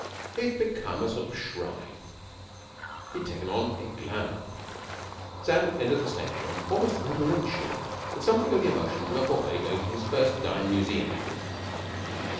He had become a sort of shrine. He had taken on a glamour. Sam entered the state room almost reverentially with something of the emotions of a boy going into his first dime museum.